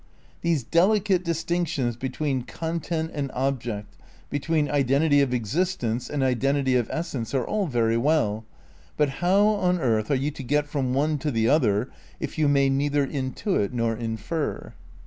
These delicate distinctions between content and object, be tween identity of existence and identity of essence are all very well, but how on earth are you to get from one to the other if you may neither intuit nor infer?